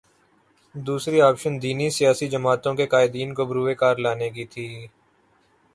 دوسری آپشن دینی سیاسی جماعتوں کے قائدین کو بروئے کار لانے کی تھی۔